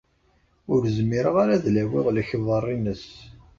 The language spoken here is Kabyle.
Ur zmireɣ ara ad lawiɣ lekber-ines.